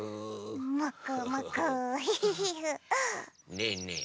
ねえねえ。